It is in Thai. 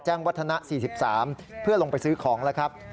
วัฒนะ๔๓เพื่อลงไปซื้อของแล้วครับ